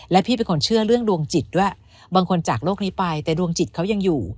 และพี่เป็นคนเชื่อเรื่องดวงจิตด้วยบางคนจากโลกนี้ไปแต่ดวงจิตเขายังอยู่